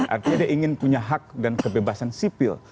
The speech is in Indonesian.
artinya dia ingin punya hak dan kebebasan sipil